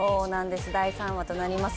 第３話となります。